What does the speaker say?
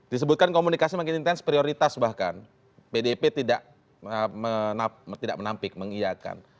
disebutkan komunikasi makin intens prioritas bahkan pdip tidak menampik mengiakan